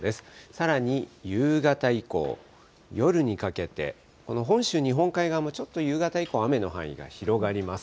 さらに夕方以降、夜にかけて、この本習日本海側もちょっと夕方以降、雨の範囲が広がります。